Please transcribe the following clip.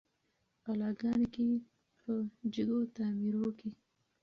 قلاګانو کي په جګو تعمیرو کي